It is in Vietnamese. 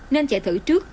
nên chạy thử trước